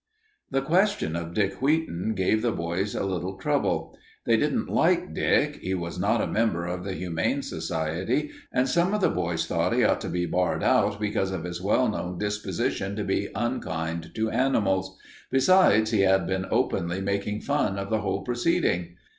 The question of Dick Wheaton gave the boys a little trouble. They didn't like Dick, he was not a member of the Humane Society, and some of the boys thought he ought to be barred out because of his well known disposition to be unkind to animals. Besides, he had been openly making fun of the whole proceeding.